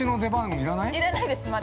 ◆要らないです、まだ。